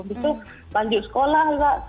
itu lanjut sekolah juga